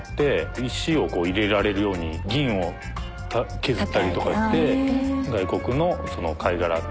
石をこう入れられるように銀を削ったりとかして外国の貝殻と。